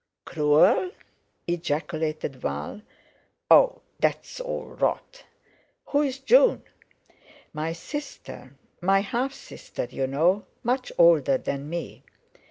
"Cruel?" ejaculated Val. "Oh! that's all rot. Who's June?" "My sister—my half sister, you know—much older than me."